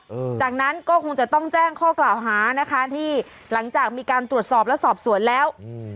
หลังจากนั้นก็คงจะต้องแจ้งข้อกล่าวหานะคะที่หลังจากมีการตรวจสอบและสอบสวนแล้วอืม